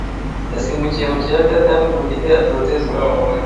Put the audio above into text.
yasimbukiye mu kiyaga kandi mu gihe atotezwa